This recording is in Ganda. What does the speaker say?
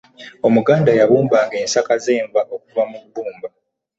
omuganda yabumba nga ensaka z'enva okuva mu bumba